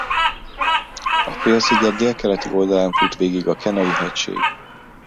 A félsziget délkeleti oldalán fut végig a Kenai-hegység.